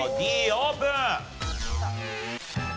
Ｄオープン！